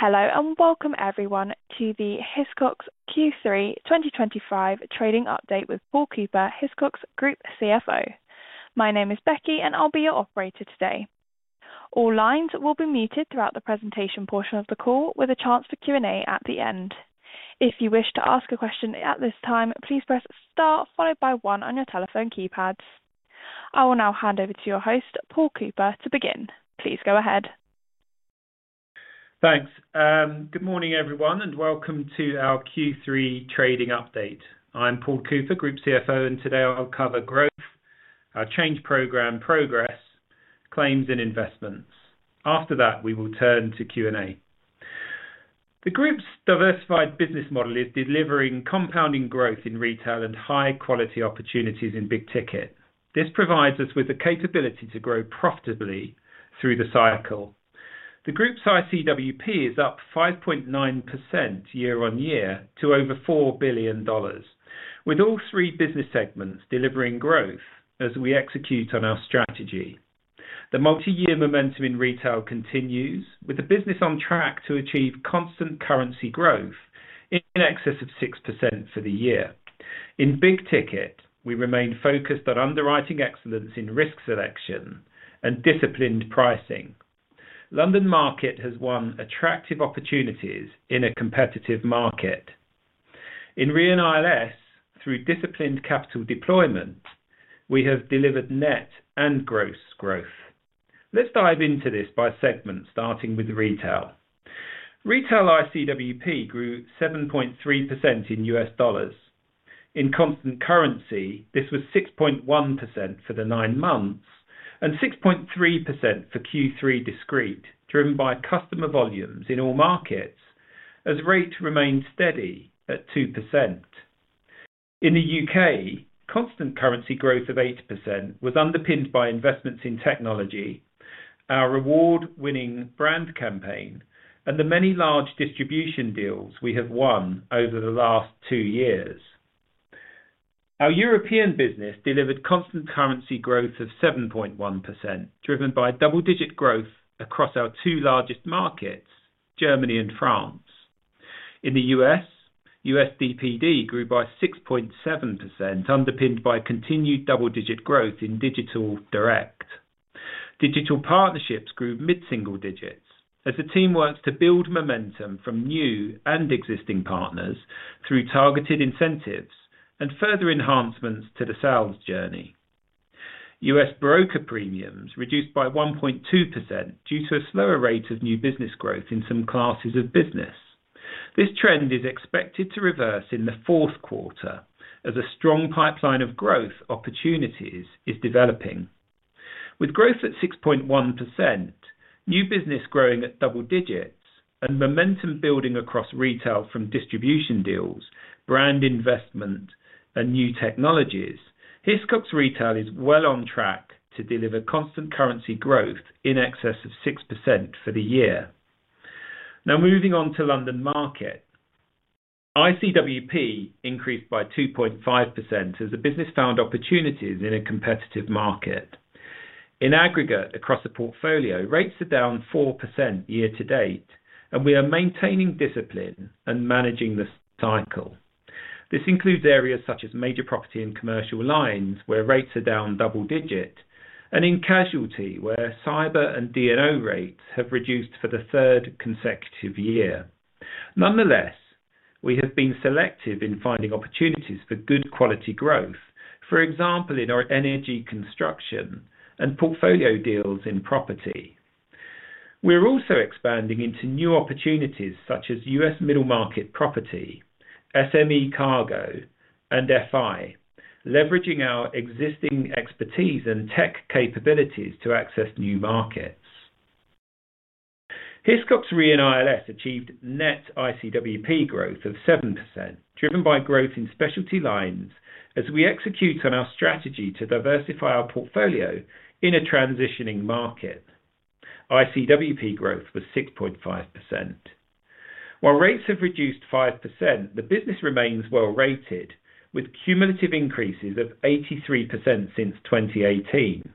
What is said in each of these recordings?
Hello and welcome everyone to the Hiscox Q3 2025 trading update with Paul Cooper, Hiscox Group CFO. My name is Becky, and I'll be your operator today. All lines will be muted throughout the presentation portion of the call, with a chance for Q&A at the end. If you wish to ask a question at this time, please press star followed by one on your telephone keypads. I will now hand over to your host, Paul Cooper, to begin. Please go ahead. Thanks. Good morning everyone, and welcome to our Q3 trading update. I'm Paul Cooper, Group CFO, and today I'll cover growth, our change program, progress, claims, and investments. After that, we will turn to Q&A. The Group's diversified business model is delivering compounding growth in retail and high-quality opportunities in big ticket. This provides us with the capability to grow profitably through the cycle. The Group's ICWP is up 5.9% year-on-year to over $4 billion, with all three business segments delivering growth as we execute on our strategy. The multi-year momentum in retail continues, with the business on track to achieve constant currency growth in excess of 6% for the year. In big ticket, we remain focused on underwriting excellence in risk selection and disciplined pricing. London market has won attractive opportunities in a competitive market. In reinsurance through disciplined capital deployment, we have delivered net and gross growth. Let's dive into this by segment, starting with retail. Retail ICWP grew 7.3% in US dollars. In constant currency, this was 6.1% for the nine months and 6.3% for Q3 discrete, driven by customer volumes in all markets as rate remained steady at 2%. In the U.K., constant currency growth of 8% was underpinned by investments in technology, our award-winning brand campaign, and the many large distribution deals we have won over the last two years. Our European business delivered constant currency growth of 7.1%, driven by double-digit growth across our two largest markets, Germany and France. In the U.S., USDPD grew by 6.7%, underpinned by continued double-digit growth in digital direct. Digital partnerships grew mid-single digits as the team works to build momentum from new and existing partners through targeted incentives and further enhancements to the sales journey. US broker premiums reduced by 1.2% due to a slower rate of new business growth in some classes of business. This trend is expected to reverse in the fourth quarter as a strong pipeline of growth opportunities is developing. With growth at 6.1%, new business growing at double digits, and momentum building across retail from distribution deals, brand investment, and new technologies, Hiscox Retail is well on track to deliver constant currency growth in excess of 6% for the year. Now moving on to London market. ICWP increased by 2.5% as the business found opportunities in a competitive market. In aggregate across the portfolio, rates are down 4% year-to-date, and we are maintaining discipline and managing the cycle. This includes areas such as major property and commercial lines where rates are down double-digit, and in casualty where cyber and D&O rates have reduced for the third consecutive year. Nonetheless, we have been selective in finding opportunities for good quality growth, for example, in our energy construction and portfolio deals in property. We're also expanding into new opportunities such as U.S. middle market property, SME cargo, and FI, leveraging our existing expertise and tech capabilities to access new markets. Hiscox re-analyse achieved net ICWP growth of 7%, driven by growth in specialty lines as we execute on our strategy to diversify our portfolio in a transitioning market. ICWP growth was 6.5%. While rates have reduced 5%, the business remains well rated, with cumulative increases of 83% since 2018.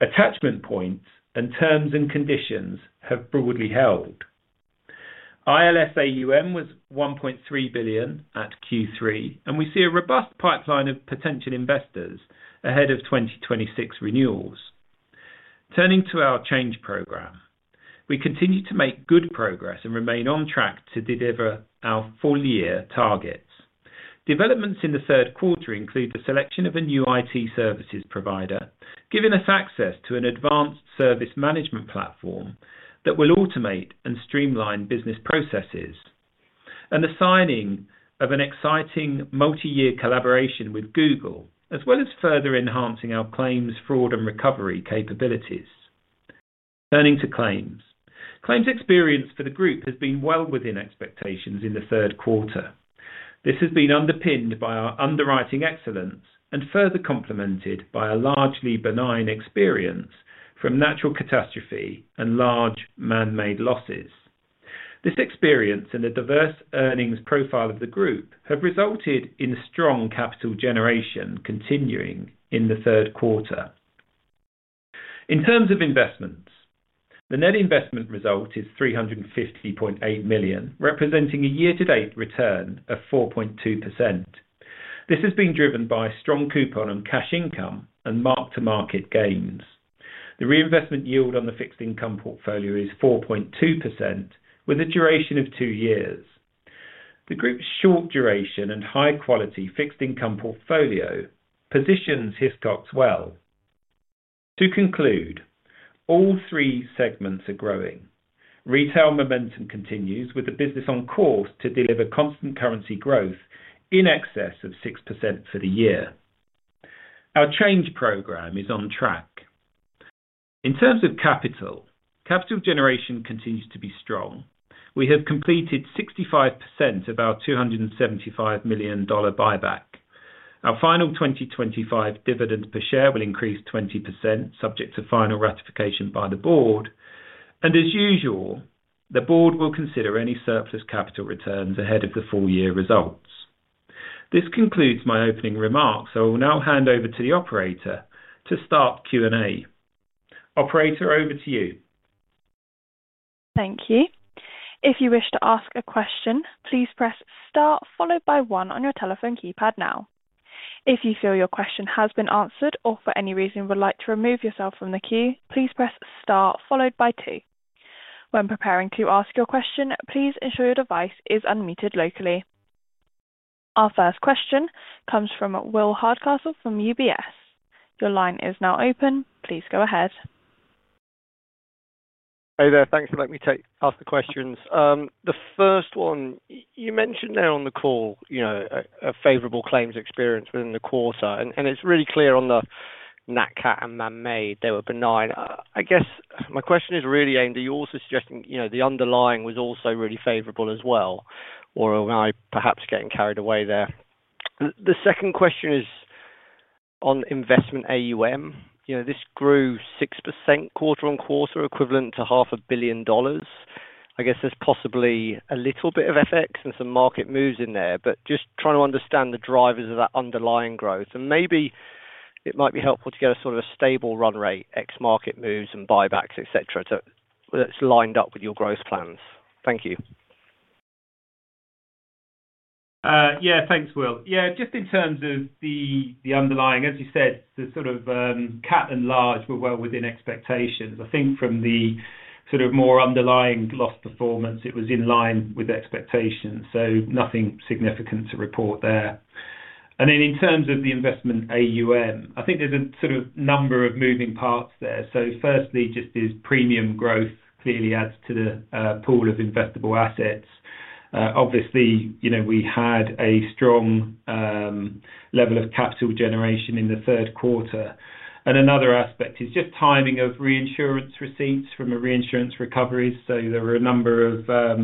Attachment points and terms and conditions have broadly held. ILS AUM was $1.3 billion at Q3, and we see a robust pipeline of potential investors ahead of 2026 renewals. Turning to our change program, we continue to make good progress and remain on track to deliver our full-year targets. Developments in the third quarter include the selection of a new IT services provider, giving us access to an advanced service management platform that will automate and streamline business processes. The signing of an exciting multi-year collaboration with Google, as well as further enhancing our claims fraud and recovery capabilities. Turning to claims. Claims experience for the Group has been well within expectations in the third quarter. This has been underpinned by our underwriting excellence and further complemented by a largely benign experience from natural catastrophe and large man-made losses. This experience and the diverse earnings profile of the Group have resulted in strong capital generation continuing in the third quarter. In terms of investments, the net investment result is $350.8 million, representing a year-to-date return of 4.2%. This has been driven by strong coupon and cash income and mark-to-market gains. The reinvestment yield on the fixed income portfolio is 4.2%, with a duration of two years. The Group's short duration and high-quality fixed income portfolio positions Hiscox well. To conclude, all three segments are growing. Retail momentum continues, with the business on course to deliver constant currency growth in excess of 6% for the year. Our change program is on track. In terms of capital, capital generation continues to be strong. We have completed 65% of our $275 million buyback. Our final 2025 dividend per share will increase 20%, subject to final ratification by the board. As usual, the board will consider any surplus capital returns ahead of the full-year results. This concludes my opening remarks. I will now hand over to the operator to start Q&A. Operator, over to you. Thank you. If you wish to ask a question, please press star followed by one on your telephone keypad now. If you feel your question has been answered or for any reason would like to remove yourself from the queue, please press star followed by two. When preparing to ask your question, please ensure your device is unmuted locally. Our first question comes from Will Hardcastle from UBS. Your line is now open. Please go ahead. Hey there. Thanks for letting me ask the questions. The first one, you mentioned there on the call. A favorable claims experience within the quarter, and it's really clear on the NatCat and man-made. They were benign. I guess my question is really aimed, are you also suggesting the underlying was also really favorable as well? Or am I perhaps getting carried away there? The second question is. On investment AUM. This grew 6% quarter on quarter, equivalent to $500,000,000. I guess there's possibly a little bit of FX and some market moves in there, but just trying to understand the drivers of that underlying growth. Maybe it might be helpful to get a sort of a stable run rate, ex-market moves and buybacks, etc., that's lined up with your growth plans. Thank you. Yeah, thanks, Will. Yeah, just in terms of the underlying, as you said, the sort of cat and large were well within expectations. I think from the sort of more underlying loss performance, it was in line with expectations. So nothing significant to report there. And then in terms of the investment AUM, I think there's a sort of number of moving parts there. So firstly, just this premium growth clearly adds to the pool of investable assets. Obviously, we had a strong level of capital generation in the third quarter. And another aspect is just timing of reinsurance receipts from reinsurance recoveries. So there were a number of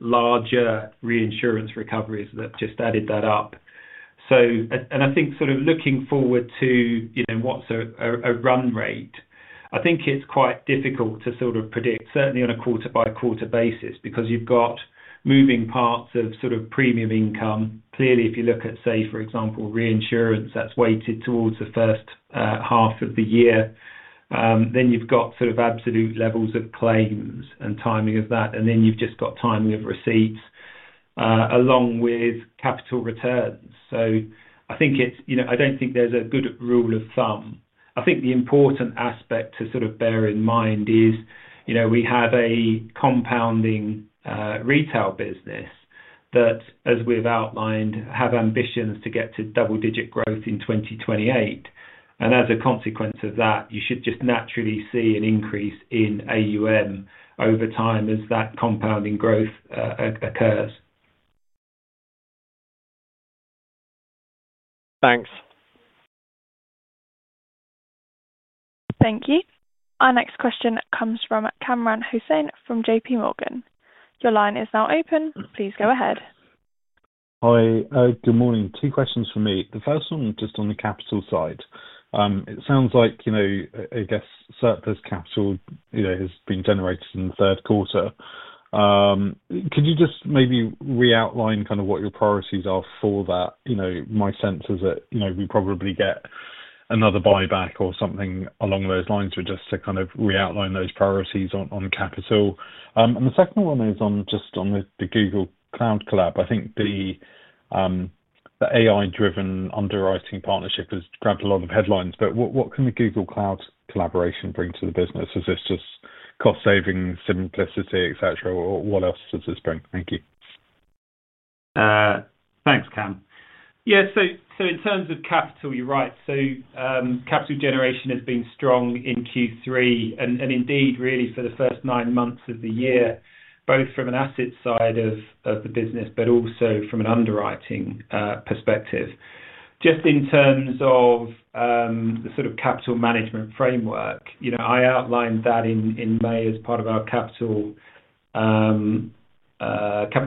larger reinsurance recoveries that just added that up. And I think sort of looking forward to. What's a run rate, I think it's quite difficult to sort of predict, certainly on a quarter-by-quarter basis, because you've got moving parts of sort of premium income. Clearly, if you look at, say, for example, reinsurance, that's weighted towards the first half of the year. Then you've got sort of absolute levels of claims and timing of that. You have just got timing of receipts, along with capital returns. I think it's, I don't think there's a good rule of thumb. I think the important aspect to sort of bear in mind is we have a compounding retail business that, as we've outlined, have ambitions to get to double-digit growth in 2028. As a consequence of that, you should just naturally see an increase in AUM over time as that compounding growth occurs. Thanks. Thank you. Our next question comes from Kamran Hossain from JPMorgan. Your line is now open. Please go ahead. Hi, good morning. Two questions for me. The first one just on the capital side. It sounds like, I guess, surplus capital has been generated in the third quarter. Could you just maybe re-outline kind of what your priorities are for that? My sense is that we probably get another buyback or something along those lines just to kind of re-outline those priorities on capital. The second one is just on the Google Cloud collab. I think the AI-driven underwriting partnership has grabbed a lot of headlines, but what can the Google Cloud collaboration bring to the business? Is this just cost savings, simplicity, etc.? What else does this bring? Thank you. Thanks, Kam. Yeah, so in terms of capital, you're right. Capital generation has been strong in Q3 and indeed really for the first nine months of the year, both from an asset side of the business, but also from an underwriting perspective. Just in terms of the sort of capital management framework, I outlined that in May as part of our capital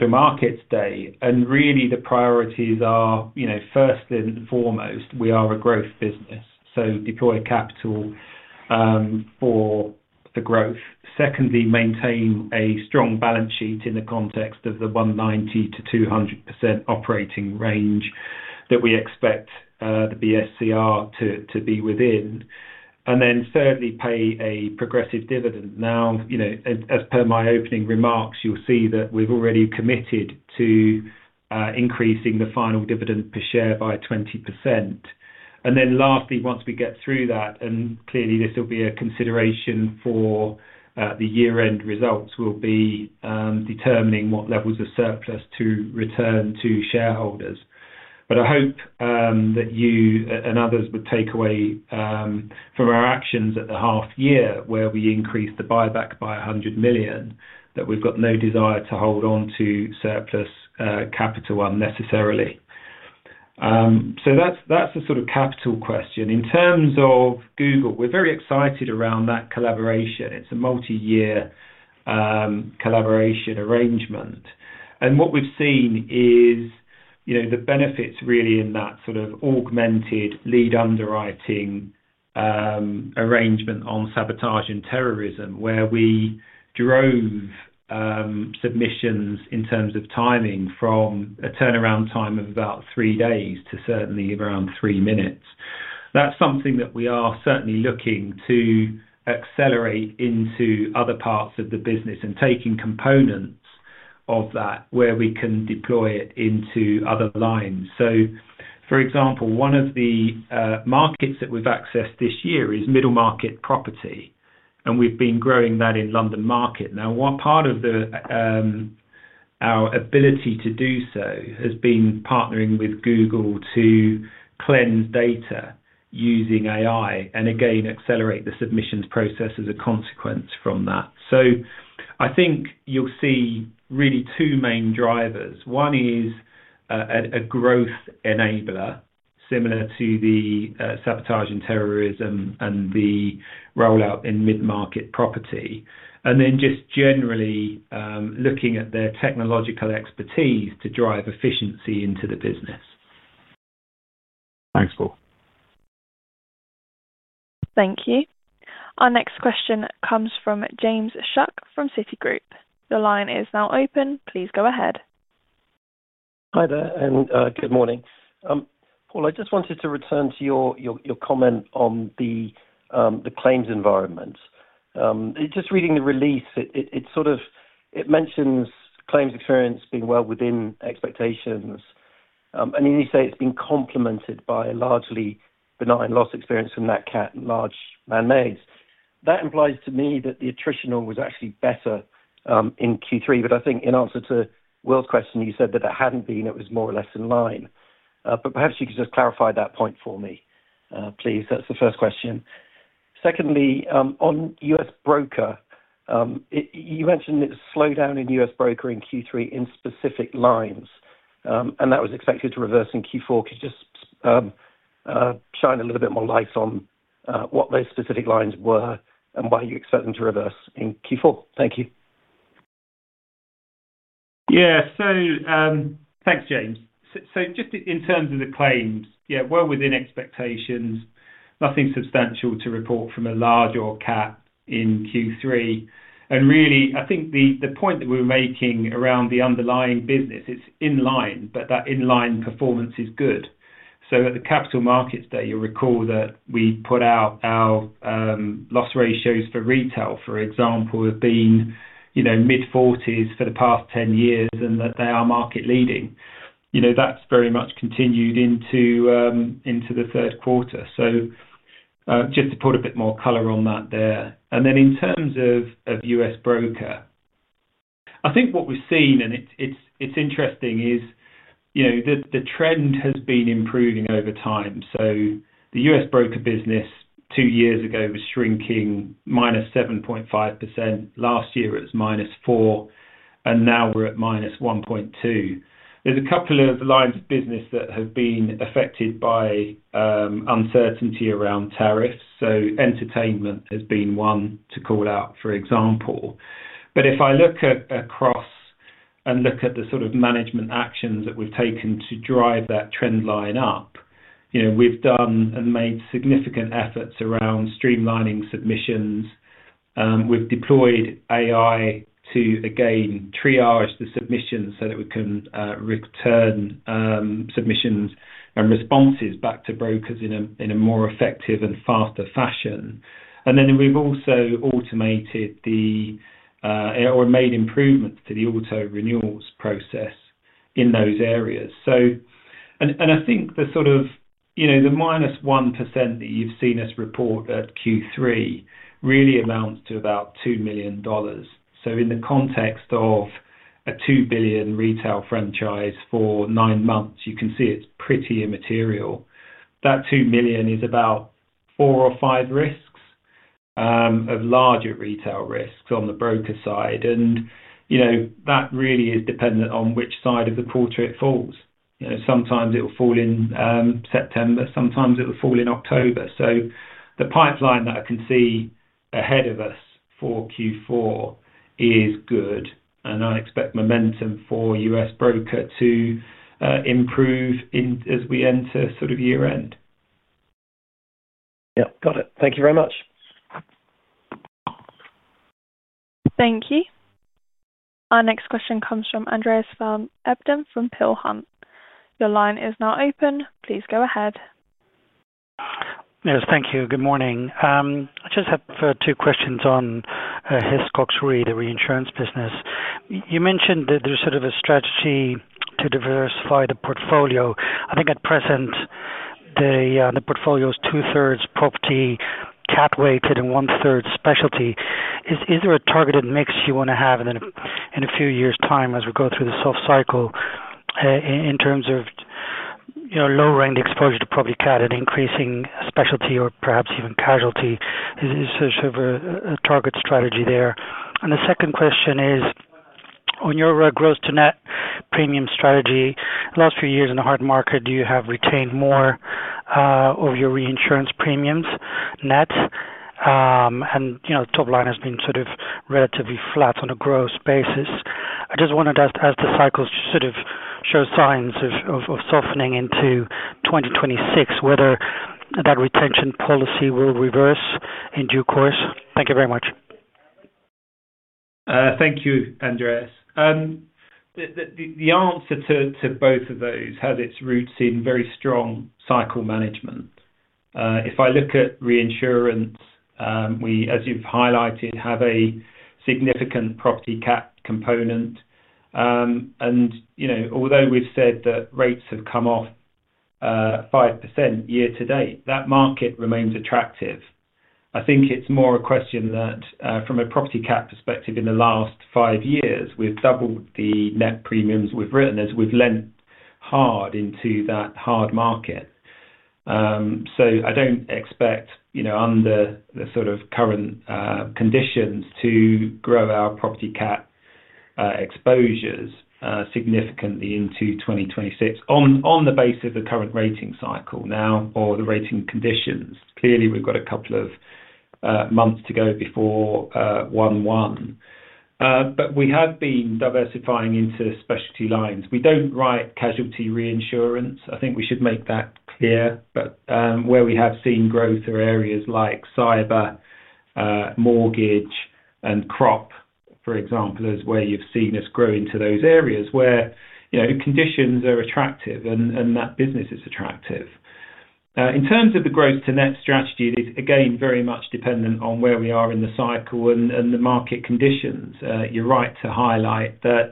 markets day. Really the priorities are, first and foremost, we are a growth business, so deploy capital for the growth. Secondly, maintain a strong balance sheet in the context of the 190-200% operating range that we expect the BSCR to be within. Thirdly, pay a progressive dividend. Now, as per my opening remarks, you'll see that we've already committed to increasing the final dividend per share by 20%. And then lastly, once we get through that, and clearly this will be a consideration for the year-end results, we'll be determining what levels of surplus to return to shareholders. But I hope that you and others would take away from our actions at the half-year where we increased the buyback by 100 million that we've got no desire to hold on to surplus capital unnecessarily. So that's the sort of capital question. In terms of Google, we're very excited around that collaboration. It's a multi-year collaboration arrangement. And what we've seen is the benefits really in that sort of augmented lead underwriting arrangement on sabotage and terrorism, where we drove submissions in terms of timing from a turnaround time of about three days to certainly around three minutes. That's something that we are certainly looking to. Accelerate into other parts of the business and taking components of that where we can deploy it into other lines. For example, one of the markets that we've accessed this year is middle-market property, and we've been growing that in London market. Now, part of our ability to do so has been partnering with Google to cleanse data using AI and, again, accelerate the submissions process as a consequence from that. I think you'll see really two main drivers. One is a growth enabler, similar to the sabotage and terrorism and the rollout in mid-market property, and then just generally looking at their technological expertise to drive efficiency into the business. Thanks, Paul. Thank you. Our next question comes from James Shuck from Citigroup. The line is now open. Please go ahead. Hi there. And good morning. Paul, I just wanted to return to your comment on the claims environment. Just reading the release, it sort of mentions claims experience being well within expectations. And then you say it's been complemented by a largely benign loss experience from NatCat and large man-mades. That implies to me that the attrition was actually better in Q3. But I think in answer to Will's question, you said that it hadn't been. It was more or less in line. But perhaps you could just clarify that point for me, please. That's the first question. Secondly, on US broker. You mentioned it slowed down in US broker in Q3 in specific lines. And that was expected to reverse in Q4. Could you just shine a little bit more light on what those specific lines were and why you expect them to reverse in Q4? Thank you. Yeah. So. Thanks, James. So just in terms of the claims, yeah, well within expectations. Nothing substantial to report from a large or cat in Q3. And really, I think the point that we're making around the underlying business, it's in line, but that in-line performance is good. So at the capital markets day, you'll recall that we put out our loss ratios for retail, for example, have been mid-40s for the past 10 years and that they are market-leading. That's very much continued into the third quarter. So just to put a bit more color on that there. And then in terms of US broker, I think what we've seen, and it's interesting, is the trend has been improving over time. So the US broker business two years ago was shrinking minus 7.5%. Last year, it was minus 4%. And now we're at minus 1.2%. There's a couple of lines of business that have been affected by uncertainty around tariffs. Entertainment has been one to call out, for example. If I look across and look at the sort of management actions that we've taken to drive that trend line up, we've done and made significant efforts around streamlining submissions. We've deployed AI to, again, triage the submissions so that we can return submissions and responses back to brokers in a more effective and faster fashion. We've also automated the, or made improvements to the auto-renewals process in those areas. I think the sort of minus 1% that you've seen us report at Q3 really amounts to about $2 million. In the context of a $2 billion retail franchise for nine months, you can see it's pretty immaterial. That $2 million is about four or five risks. Of larger retail risks on the broker side. That really is dependent on which side of the quarter it falls. Sometimes it will fall in September. Sometimes it will fall in October. So the pipeline that I can see ahead of us for Q4 is good. And I expect momentum for US broker to improve as we enter sort of year-end. Yeah. Got it. Thank you very much. Thank you. Our next question comes from Andreas van Ebden from Peel Hunt. Your line is now open. Please go ahead. Yes, thank you. Good morning. I just have two questions on Hiscox Re, the reinsurance business. You mentioned that there's sort of a strategy to diversify the portfolio. I think at present the portfolio is two-thirds property, cat-weighted, and one-third specialty. Is there a targeted mix you want to have in a few years' time as we go through the soft cycle? In terms of lowering the exposure to property cat and increasing specialty or perhaps even casualty? Is there sort of a target strategy there? And the second question is on your gross-to-net premium strategy. The last few years in the hard market, do you have retained more of your reinsurance premiums net? And the top line has been sort of relatively flat on a gross basis. I just wanted to ask the cycle to sort of show signs of softening into 2026, whether that retention policy will reverse in due course. Thank you very much. Thank you, Andreas. The answer to both of those has its roots in very strong cycle management. If I look at reinsurance. We, as you've highlighted, have a significant property cat component. And although we've said that rates have come off. 5% year-to-date, that market remains attractive. I think it's more a question that, from a property cat perspective, in the last five years, we've doubled the net premiums we've written as we've lent hard into that hard market. So I don't expect, under the sort of current. Conditions, to grow our property cat. Exposures significantly into 2026 on the basis of the current rating cycle now or the rating conditions. Clearly, we've got a couple of. Months to go before. 1-1. But we have been diversifying into specialty lines. We don't write casualty reinsurance. I think we should make that clear. But where we have seen growth are areas like cyber. Mortgage, and crop, for example, is where you've seen us grow into those areas where conditions are attractive and that business is attractive. In terms of the gross-to-net strategy, it is, again, very much dependent on where we are in the cycle and the market conditions. You're right to highlight that.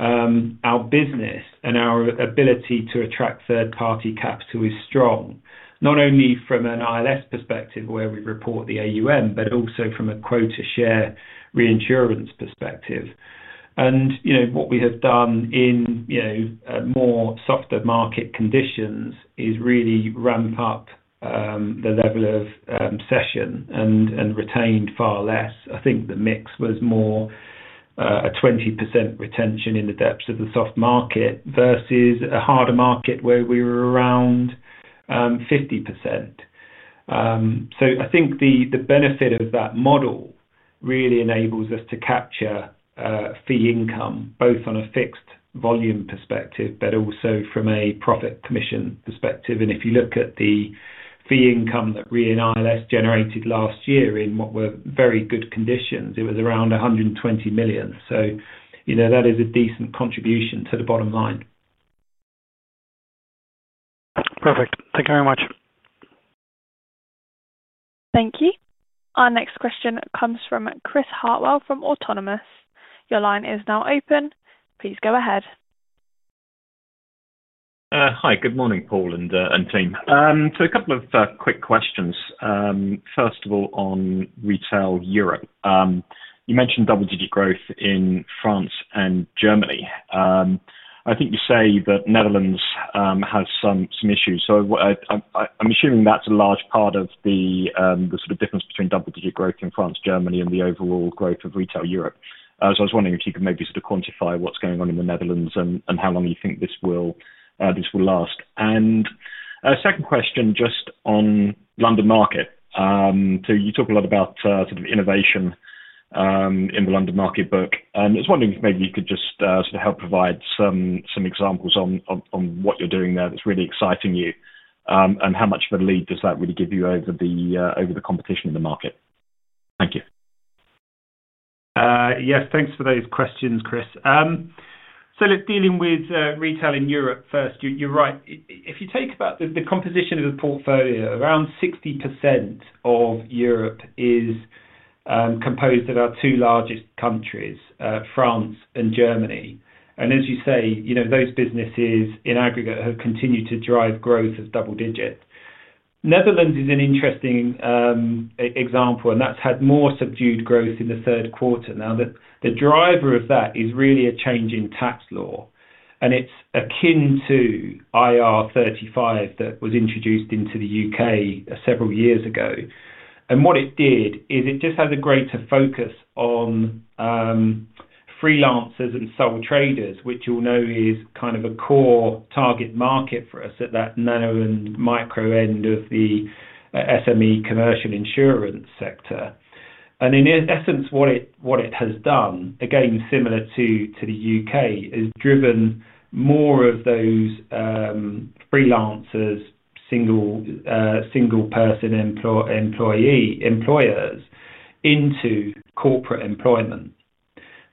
Our business and our ability to attract third-party capital is strong, not only from an ILS perspective where we report the AUM, but also from a quota share reinsurance perspective. And what we have done in. More softer market conditions is really ramp up. The level of session and retained far less. I think the mix was more. A 20% retention in the depths of the soft market versus a harder market where we were around. 50%. So I think the benefit of that model really enables us to capture. Fee income, both on a fixed volume perspective, but also from a profit commission perspective. And if you look at the fee income that Re & ILS generated last year in what were very good conditions, it was around 120 million. So that is a decent contribution to the bottom line. Perfect. Thank you very much. Thank you. Our next question comes from Chris Hartwell from Autonomous. Your line is now open. Please go ahead. Hi. Good morning, Paul and team. So a couple of quick questions. First of all, on retail Europe. You mentioned double-digit growth in France and Germany. I think you say that Netherlands has some issues. So. I'm assuming that's a large part of the sort of difference between double-digit growth in France, Germany, and the overall growth of retail Europe. So I was wondering if you could maybe sort of quantify what's going on in the Netherlands and how long you think this will. Last. And. A second question just on London market. So you talk a lot about sort of innovation. In the London market book. And I was wondering if maybe you could just sort of help provide some examples on what you're doing there that's really exciting you and how much of a lead does that really give you over the. Competition in the market. Thank you. Yes. Thanks for those questions, Chris. So let's deal in with retail in Europe first. You're right. If you take about the composition of the portfolio, around 60% of Europe is. Composed of our two largest countries, France and Germany. And as you say, those businesses in aggregate have continued to drive growth of double-digit. Netherlands is an interesting. Example, and that's had more subdued growth in the third quarter. Now, the driver of that is really a change in tax law. And it's akin to. IR35 that was introduced into the U.K. several years ago. And what it did is it just has a greater focus on. Freelancers and sole traders, which you'll know is kind of a core target market for us at that nano and micro end of the. SME commercial insurance sector. And in essence, what it has done, again, similar to the U.K., has driven more of those. Freelancers, single. Person employers. Into corporate employment.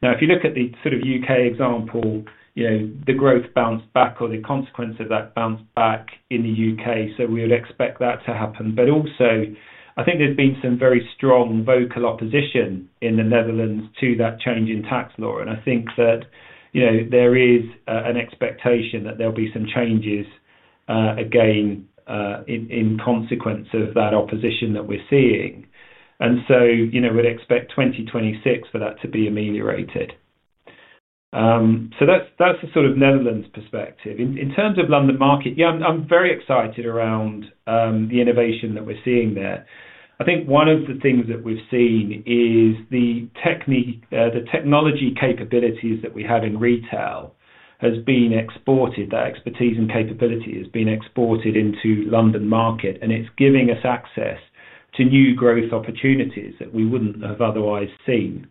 Now, if you look at the sort of U.K. example. The growth bounced back or the consequence of that bounced back in the U.K. So we would expect that to happen. But also, I think there's been some very strong vocal opposition in the Netherlands to that change in tax law. And I think that. There is an expectation that there'll be some changes. Again. In consequence of that opposition that we're seeing. And so we'd expect 2026 for that to be ameliorated. So that's the sort of Netherlands perspective. In terms of London market, yeah, I'm very excited around. The innovation that we're seeing there. I think one of the things that we've seen is the. Technology capabilities that we have in retail has been exported. That expertise and capability has been exported into London market. And it's giving us access to new growth opportunities that we wouldn't have otherwise seen.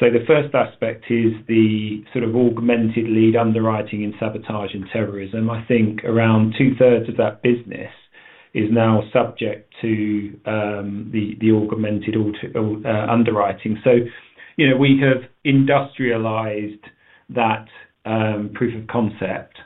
So the first aspect is the sort of augmented lead underwriting in sabotage and terrorism. I think around two-thirds of that business. Is now subject to. The augmented. Underwriting. So we have industrialized that. Proof of concept.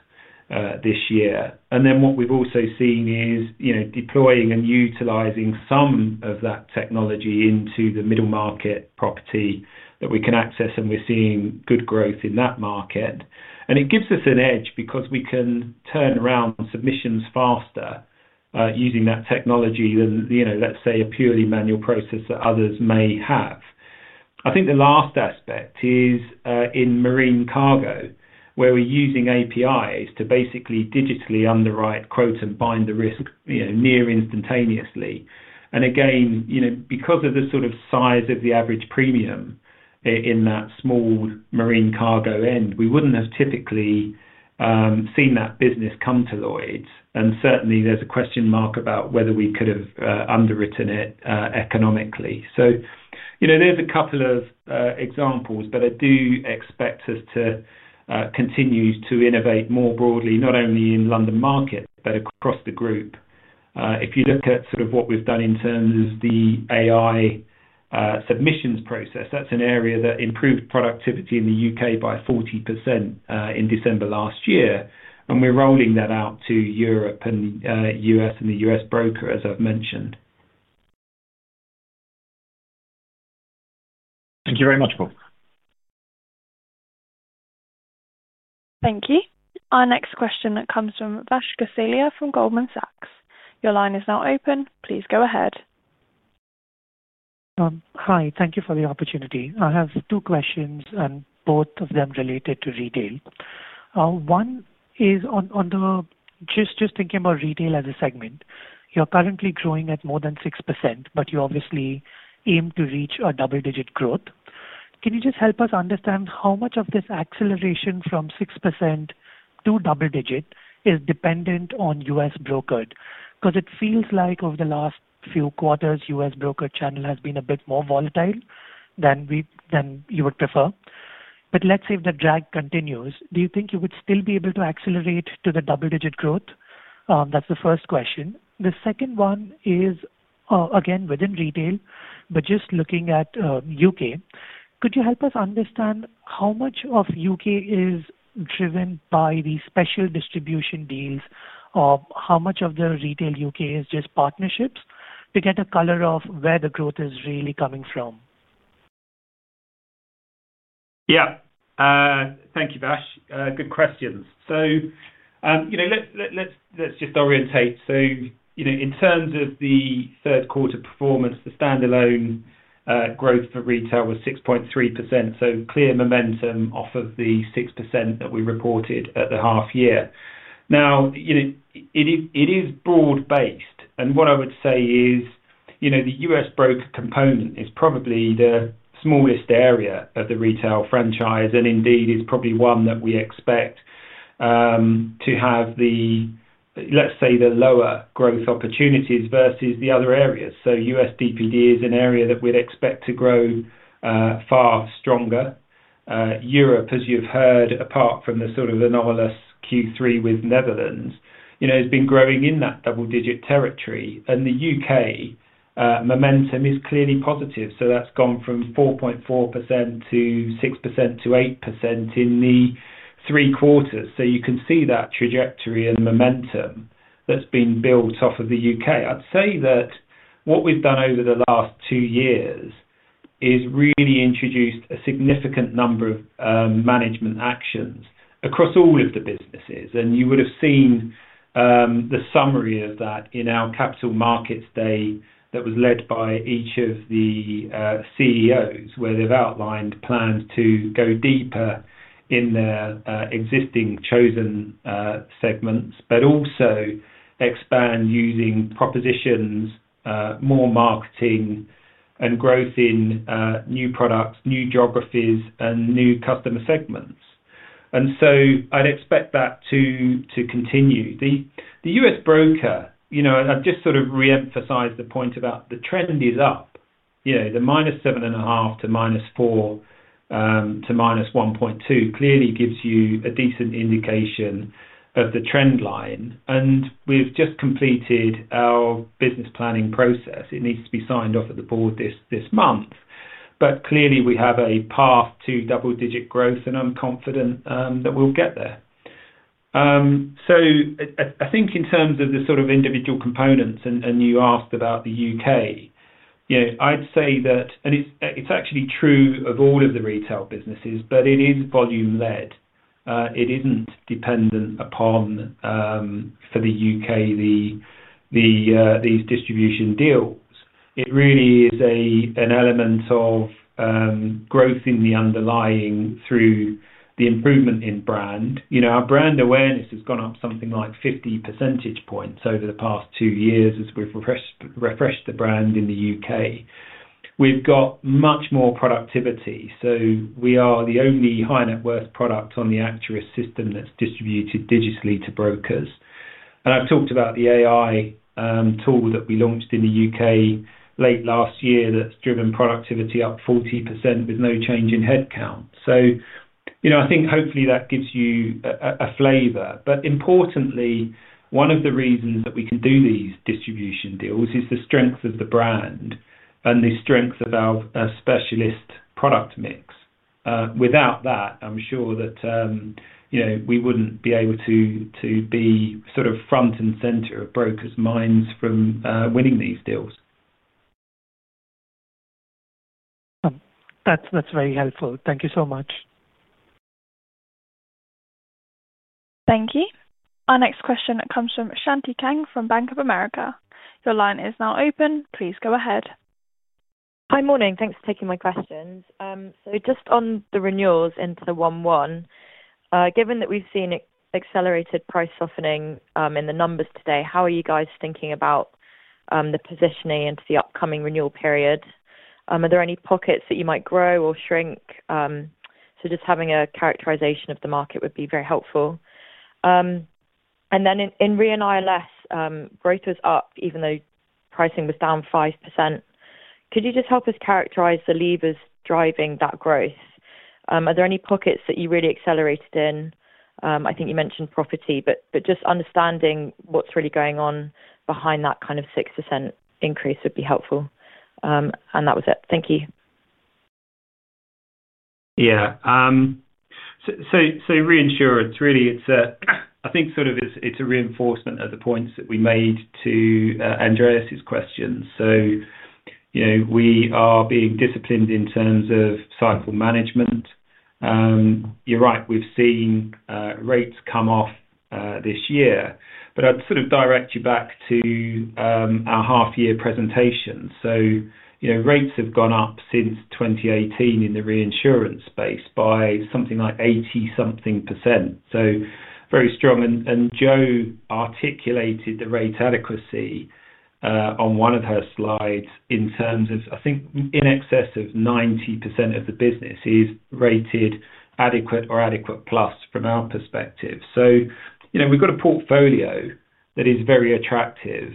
This year. And then what we've also seen is deploying and utilizing some of that technology into the middle market property that we can access. And we're seeing good growth in that market. And it gives us an edge because we can turn around submissions faster using that technology than, let's say, a purely manual process that others may have. I think the last aspect is in marine cargo, where we're using APIs to basically digitally underwrite, quote, and bind the risk near instantaneously. And again, because of the sort of size of the average premium in that small marine cargo end, we wouldn't have typically. Seen that business come to Lloyd's. And certainly, there's a question mark about whether we could have underwritten it economically. So. There's a couple of examples, but I do expect us to. Continue to innovate more broadly, not only in London market, but across the group. If you look at sort of what we've done in terms of the AI. Submissions process, that's an area that improved productivity in the U.K. by 40% in December last year. And we're rolling that out to Europe and U.S. and the US broker, as I've mentioned. Thank you very much, Paul. Thank you. Our next question comes from Vash Gosalia from Goldman Sachs. Your line is now open. Please go ahead. Hi. Thank you for the opportunity. I have two questions, and both of them related to retail. One is on the. Just thinking about retail as a segment, you're currently growing at more than 6%, but you obviously aim to reach a double-digit growth. Can you just help us understand how much of this acceleration from 6%. To double-digit is dependent on US brokered? Because it feels like over the last few quarters, US broker channel has been a bit more volatile than you would prefer. But let's say if the drag continues, do you think you would still be able to accelerate to the double-digit growth? That's the first question. The second one is. Again within retail, but just looking at U.K., could you help us understand how much of U.K. is driven by the special distribution deals or how much of the retail U.K. is just partnerships to get a color of where the growth is really coming from? Yeah. Thank you, Vash. Good questions. So. Let's just orientate. So in terms of the third-quarter performance, the standalone. Growth for retail was 6.3%. So clear momentum off of the 6% that we reported at the half-year. Now. It is broad-based. And what I would say is. The US broker component is probably the smallest area of the retail franchise and indeed is probably one that we expect. To have. Let's say, the lower growth opportunities versus the other areas. So USDPD is an area that we'd expect to grow. Far stronger. Europe, as you've heard, apart from the sort of anomalous Q3 with Netherlands, has been growing in that double-digit territory. And the U.K. Momentum is clearly positive. So that's gone from 4.4% to 6% to 8% in the three quarters. So you can see that trajectory and momentum that's been built off of the U.K. I'd say that what we've done over the last two years is really introduced a significant number of management actions across all of the businesses. And you would have seen. The summary of that in our capital markets day that was led by each of the. CEOs, where they've outlined plans to go deeper in their existing chosen segments, but also. Expand using propositions, more marketing, and growth in new products, new geographies, and new customer segments. And so I'd expect that to. Continue. The US broker, I've just sort of re-emphasized the point about the trend is up. The -7.5 to -4. To -1.2 clearly gives you a decent indication of the trend line. And we've just completed our business planning process. It needs to be signed off at the board this month. But clearly, we have a path to double-digit growth, and I'm confident that we'll get there. So I think in terms of the sort of individual components, and you asked about the U.K. I'd say that, and it's actually true of all of the retail businesses, but it is volume-led. It isn't dependent upon. For the U.K., these. Distribution deals. It really is an element of. Growth in the underlying through the improvement in brand. Our brand awareness has gone up something like 50 percentage points over the past two years as we've refreshed the brand in the U.K. We've got much more productivity. So we are the only high-net-worth product on the Acturous system that's distributed digitally to brokers. And I've talked about the AI. Tool that we launched in the U.K. late last year that's driven productivity up 40% with no change in headcount. So. I think hopefully that gives you a flavor. But importantly, one of the reasons that we can do these distribution deals is the strength of the brand and the strength of our specialist product mix. Without that, I'm sure that. We wouldn't be able to. Be sort of front and center of brokers' minds from winning these deals. That's very helpful. Thank you so much. Thank you. Our next question comes from Shanti Kang from Bank of America. Your line is now open. Please go ahead. Hi, morning. Thanks for taking my questions. So just on the renewals into the one-one. Given that we've seen accelerated price softening in the numbers today, how are you guys thinking about the positioning into the upcoming renewal period? Are there any pockets that you might grow or shrink? So just having a characterization of the market would be very helpful. And then in reinsurance, growth was up even though pricing was down 5%. Could you just help us characterize the levers driving that growth? Are there any pockets that you really accelerated in? I think you mentioned property, but just understanding what's really going on behind that kind of 6% increase would be helpful. And that was it. Thank you. Yeah. So re-insurance, really, I think sort of it's a reinforcement of the points that we made to. Andreas's question. So. We are being disciplined in terms of cycle management. You're right. We've seen rates come off this year. But I'd sort of direct you back to. Our half-year presentation. So. Rates have gone up since 2018 in the re-insurance space by something like 80% something. So very strong. And Jo articulated the rate adequacy. On one of her slides in terms of, I think, in excess of 90% of the business is rated adequate or adequate plus from our perspective. So we've got a portfolio that is very attractive.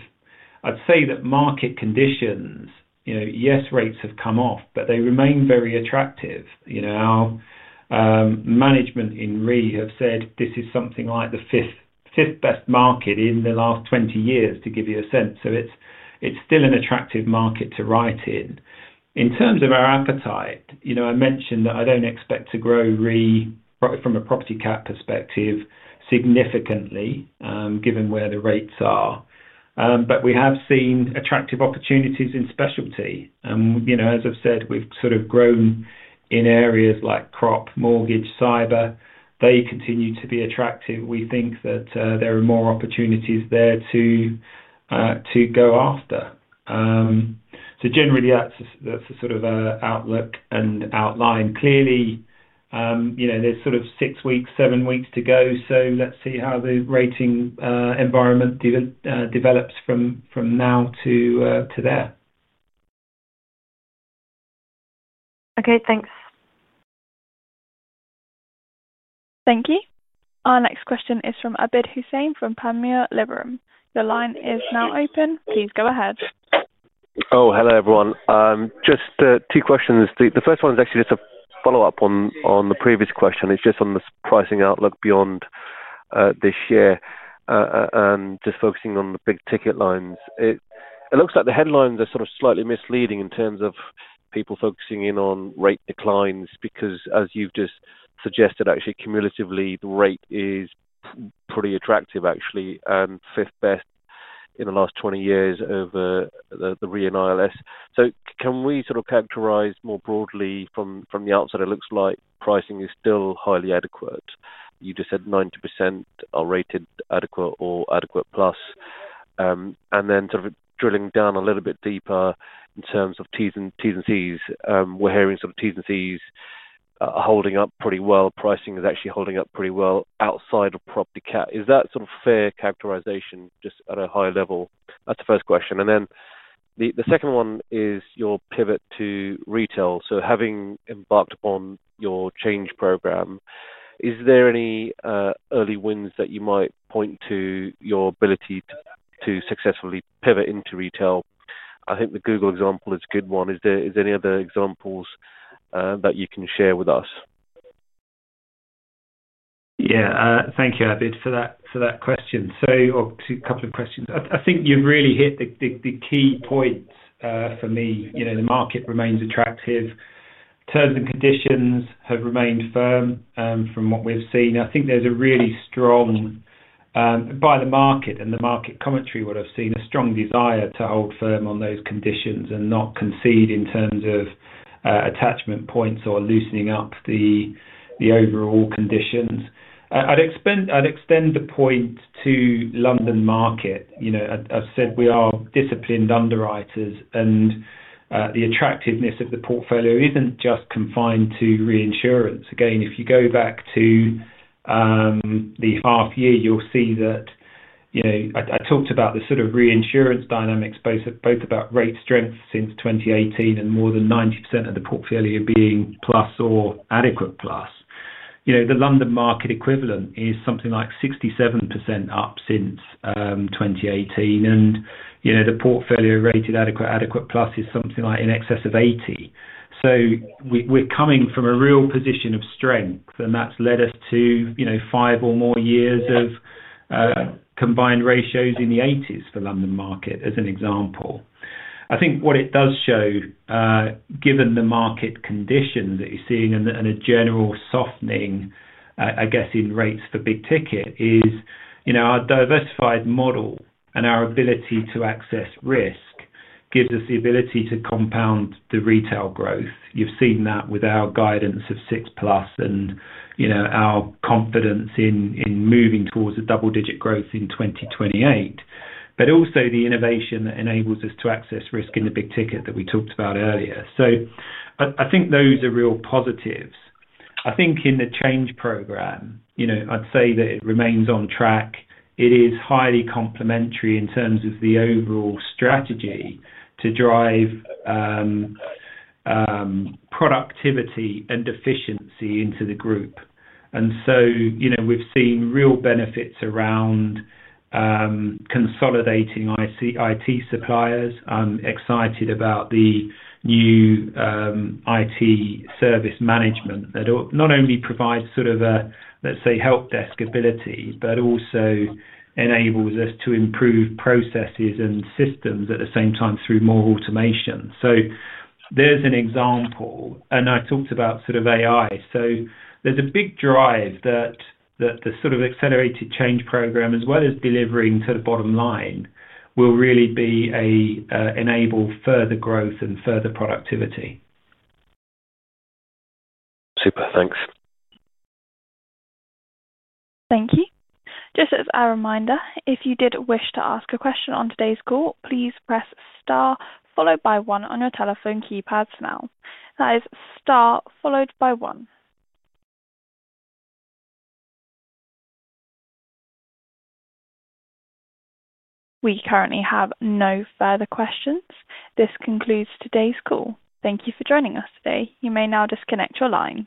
I'd say that market conditions, yes, rates have come off, but they remain very attractive. Our. Management in re have said this is something like the fifth best market in the last 20 years, to give you a sense. So it's still an attractive market to write in. In terms of our appetite, I mentioned that I don't expect to grow from a property cap perspective significantly given where the rates are. But we have seen attractive opportunities in specialty. And as I've said, we've sort of grown in areas like crop, mortgage, cyber. They continue to be attractive. We think that there are more opportunities there to. Go after. So generally, that's the sort of outlook and outline. Clearly. There's sort of six weeks, seven weeks to go. So let's see how the rating environment develops from now to there. Okay. Thanks. Thank you. Our next question is from Abid Hussain from Panmure Liberum. Your line is now open. Please go ahead. Oh, hello, everyone. Just two questions. The first one is actually just a follow-up on the previous question. It's just on the pricing outlook beyond this year and just focusing on the big ticket lines. It looks like the headlines are sort of slightly misleading in terms of people focusing in on rate declines because, as you've just suggested, actually, cumulatively, the rate is pretty attractive, actually, and fifth best in the last 20 years over the reinsurance. So can we sort of characterize more broadly from the outside? It looks like pricing is still highly adequate. You just said 90% are rated adequate or adequate plus. And then sort of drilling down a little bit deeper in terms of T&Cs, we're hearing sort of T&Cs holding up pretty well. Pricing is actually holding up pretty well outside of property cat. Is that sort of fair characterization just at a high level? That's the first question. And then the second one is your pivot to retail. So having embarked upon your change program. Is there any early wins that you might point to your ability to successfully pivot into retail? I think the Google example is a good one. Is there any other examples? That you can share with us? Yeah. Thank you, Abid, for that question. So a couple of questions. I think you've really hit the key points for me. The market remains attractive. Terms and conditions have remained firm from what we've seen. I think there's a really strong. By the market and the market commentary, what I've seen, a strong desire to hold firm on those conditions and not concede in terms of. Attachment points or loosening up the. Overall conditions. I'd extend the point to London market. I've said we are disciplined underwriters, and the attractiveness of the portfolio isn't just confined to re-insurance. Again, if you go back to. The half-year, you'll see that. I talked about the sort of re-insurance dynamics, both about rate strength since 2018 and more than 90% of the portfolio being plus or adequate plus. The London market equivalent is something like 67% up since 2018. And the portfolio rated adequate, adequate plus is something like in excess of 80. So we're coming from a real position of strength, and that's led us to. Five or more years of. Combined ratios in the 80s for London market as an example. I think what it does show. Given the market condition that you're seeing and a general softening, I guess, in rates for big ticket is. Our diversified model and our ability to access risk gives us the ability to compound the retail growth. You've seen that with our guidance of six plus and. Our confidence in moving towards a double-digit growth in 2028, but also the innovation that enables us to access risk in the big ticket that we talked about earlier. So I think those are real positives. I think in the change program. I'd say that it remains on track. It is highly complementary in terms of the overall strategy to drive. Productivity and efficiency into the group. And so we've seen real benefits around. Consolidating IT suppliers. I'm excited about the new. IT service management that not only provides sort of a, let's say, help desk ability, but also. Enables us to improve processes and systems at the same time through more automation. So there's an example. And I talked about sort of AI. So there's a big drive that the sort of accelerated change program, as well as delivering to the bottom line, will really be an enabling further growth and further productivity. Super. Thanks. Thank you. Just as a reminder, if you did wish to ask a question on today's call, please press star followed by one on your telephone keypads now. That is star followed by one. We currently have no further questions. This concludes today's call. Thank you for joining us today. You may now disconnect your lines.